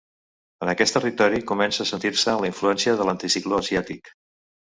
En aquest territori comença a sentir-se la influència de l'anticicló asiàtic.